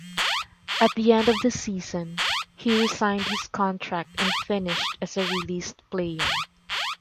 At the end of season, he resigned his contract and finished as released player.